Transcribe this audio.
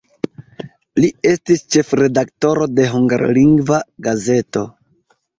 Li estis ĉefredaktoro de hungarlingva gazeto.